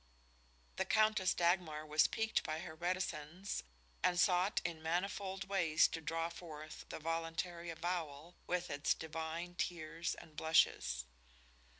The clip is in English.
The Countess Dagmar was piqued by her reticence and sought in manifold ways to draw forth the voluntary avowal, with its divine tears and blushes.